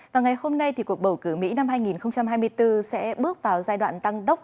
và ngày hôm nay thì cuộc bầu cử mỹ năm hai nghìn hai mươi bốn sẽ bước vào giai đoạn tăng đốc